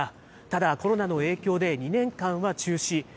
ただ、コロナ禍の影響で２年間は中止。